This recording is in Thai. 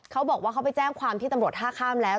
เขาบอกว่าเขาไปแจ้งความที่ตำรวจท่าข้ามแล้ว